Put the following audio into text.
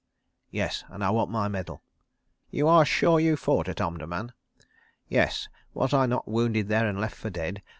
"'Yes. And I want my medal.' "'You are sure you fought at Omdurman?' "'Yes. Was I not wounded there and left for dead?